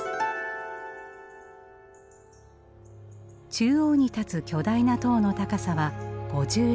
中央に立つ巨大な塔の高さは５６メートル。